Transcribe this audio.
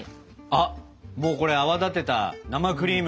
あっもうこれ泡立てた生クリーム！